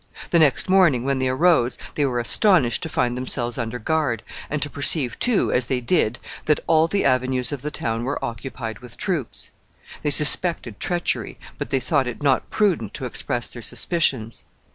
The next morning, when they arose, they were astonished to find themselves under guard, and to perceive too, as they did, that all the avenues of the town were occupied with troops. They suspected treachery, but they thought it not prudent to express their suspicions.